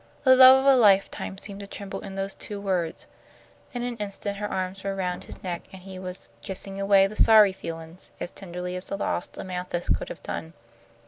The love of a lifetime seemed to tremble in those two words. In an instant her arms were around his neck, and he was "kissing away the sorry feelin's" as tenderly as the lost Amanthis could have done.